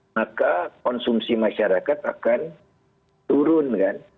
maka konsumsi masyarakat akan turun kan